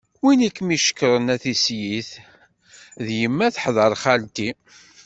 Win i kem-icekkren a tislit? Yemma teḥder xalti.